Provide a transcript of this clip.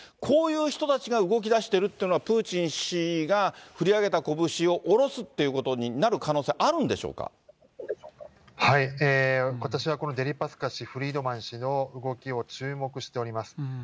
こういう人たちが動きだしてるっていうのは、プーチン氏が振り上げた拳を下ろすっていうことになる可能性はあ私はこのデリパスカ氏、フリードマン氏の動きを注目しております。